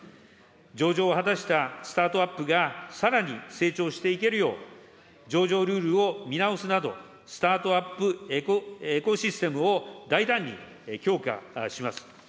上場を果たしたスタートアップがさらに成長していけるよう、上場ルールを見直すなど、スタートアップ・エコシステムを大胆に強化します。